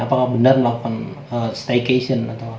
apakah benar melakukan staycation